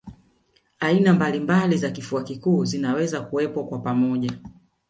Aina mbalimbali za kifua kikuu zinaweza kuwepo kwa pamoja